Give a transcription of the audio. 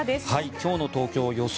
今日の東京予想